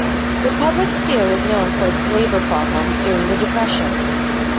Republic Steel was known for its labor problems during the Depression.